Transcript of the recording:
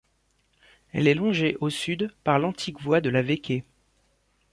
Elle est longée au sud par l'antique voie de la Vecquée.